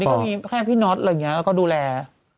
ก็มีแค่พี่น็อตอะไรอย่างนี้แล้วก็ดูแล